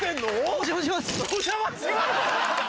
お邪魔します。